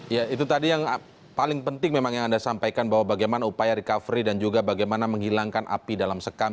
ya itu tadi yang paling penting memang yang anda sampaikan bahwa bagaimana upaya recovery dan juga bagaimana menghilangkan api dalam sekam